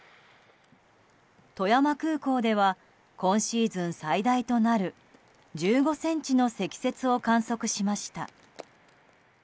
富山空港では今シーズン最大となる１５ｃｍの積雪を観測しました。